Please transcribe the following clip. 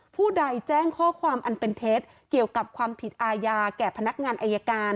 ผู้ใดแจ้งข้อความอันเป็นเท็จเกี่ยวกับความผิดอาญาแก่พนักงานอายการ